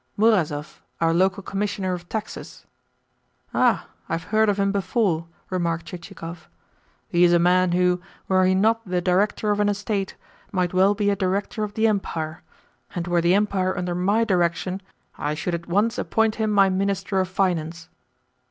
"Murazov, our local Commissioner of Taxes." "Ah! I have heard of him before," remarked Chichikov. "He is a man who, were he not the director of an estate, might well be a director of the Empire. And were the Empire under my direction, I should at once appoint him my Minister of Finance."